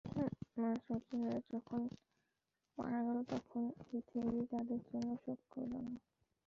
আমার স্বজনেরা যখন মারা গেল, তখন পৃথিবী তাদের জন্য শোক করল না।